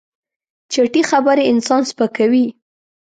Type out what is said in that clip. چټي خبرې انسان سپکوي.